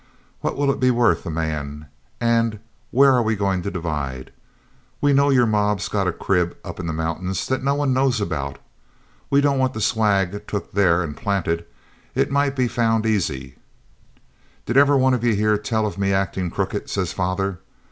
What'll it be worth a man, and where are we going to divide? We know your mob's got some crib up in the mountains that no one knows about. We don't want the swag took there and planted. It mightn't be found easy.' 'Did ever a one of ye heer tell o' me actin' crooked?' says father.